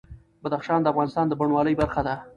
بدخشان د افغانستان د بڼوالۍ برخه ده.